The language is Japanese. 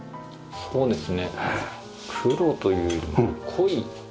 そうですね。